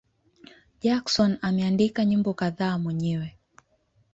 Jackson ameandika nyimbo kadhaa mwenyewe.